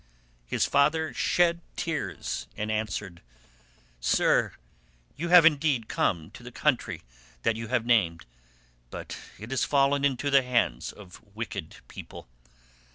His father shed tears and answered, "Sir, you have indeed come to the country that you have named, but it is fallen into the hands of wicked people.